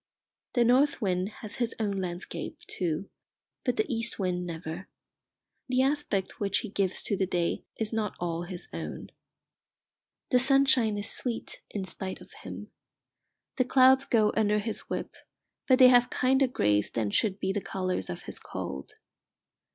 The north wind has his own landscape, too; but the east wind never. The aspect which he gives to the day is not all his own. The sunshine is sweet in spite of him. The clouds go under his whip, but they have kinder greys than should be the colours of his cold.